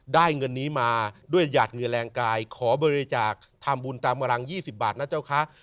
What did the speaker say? ได้เงินนี้มาด้วยหยาดเหงื่อแรงกายขอบริจาคทำบุญตามกำลัง๒๐บาทนะเจ้าคะ